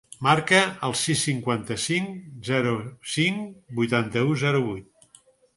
Marca el sis, cinquanta-cinc, zero, cinc, vuitanta-u, zero, vuit.